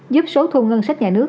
giúp số thu ngân sách nhà nước